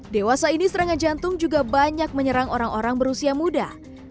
dewasa ini serangan jantung juga banyak menyerang orang orang berusia muda